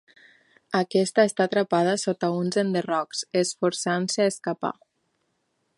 Aquesta està atrapada sota uns enderrocs, esforçant-se a escapar.